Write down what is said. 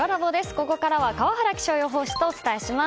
ここからは川原気象予報士とお伝えします。